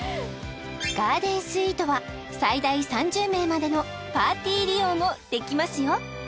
ガーデンスイートは最大３０名までのパーティー利用もできますよ